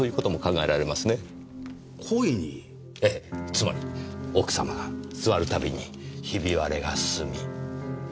つまり奥様が座るたびにひび割れが進みそして。